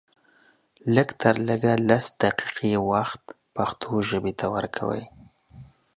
لږ تر لږه لس دقيقې وخت پښتو ژبې ته ورکوئ